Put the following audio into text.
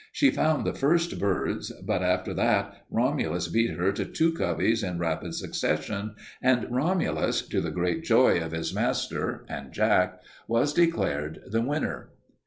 She found the first birds, but after that Romulus beat her to two coveys in rapid succession, and Romulus, to the great joy of his master and Jack, was declared the winner.